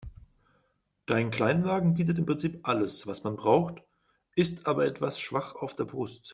Dein Kleinwagen bietet im Prinzip alles, was man braucht, ist aber etwas schwach auf der Brust.